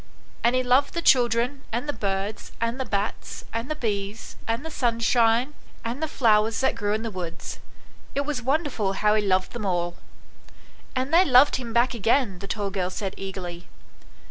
And he loved the children, and the birds, and the bats, and the bees, and the sunshine, and the 100 ANYHOW STORIES. [STORY flowers that grew in the woods. It was wonderful how he loved them all" " And they loved him back again !" the tall girl said, eagerly.